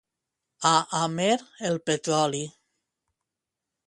A Amer, el petroli.